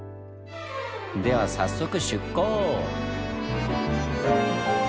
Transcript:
では早速出航！